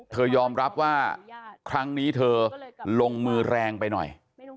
ยอมรับว่าครั้งนี้เธอลงมือแรงไปหน่อย